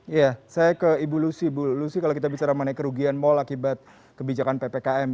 iya saya ke ibu lucy bu lucy kalau kita bicara mengenai kerugian mal akibat kebijakan ppkm